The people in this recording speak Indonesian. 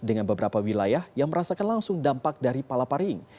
dengan beberapa wilayah yang merasakan langsung dampak dari palaparing